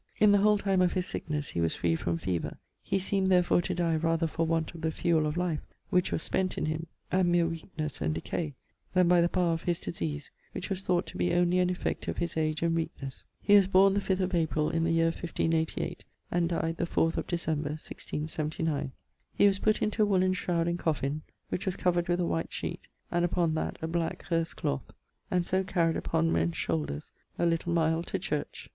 In the whole time of his sicknesse he was free from fever. He seemed therefore to dye rather for want of the fuell of life (which was spent in him) and meer weaknesse and decay, then by the power of his disease, which was thought to be onely an effect of his age and weaknesse. He was born the 5th of Aprill, in the year 1588, and died the 4th of December, 1679. He was put into a woollen shroud and coffin, which was covered with a white sheet, and upon that a black herse cloth, and so carryed upon men's shoulders, a little mile to church.